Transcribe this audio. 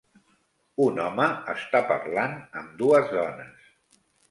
Un home està parlant amb dues dones.